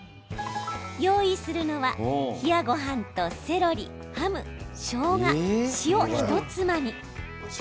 用意するのは冷やごはんとセロリハム、しょうが塩ひとつまみ。